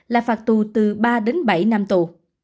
là phạt tù từ ba đến bảy năm tù